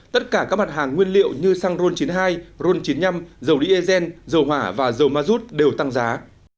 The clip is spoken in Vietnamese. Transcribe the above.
tất cả các mặt hàng nguyên liệu như xăng ron chín mươi hai ron chín mươi năm dầu diesel dầu hỏa và dầu ma rút đều tăng giá